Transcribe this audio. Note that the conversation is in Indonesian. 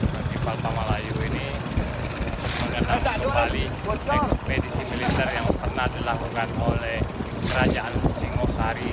festival tamalayu ini mengetahui kembali ekspedisi militer yang pernah dilakukan oleh kerajaan singosari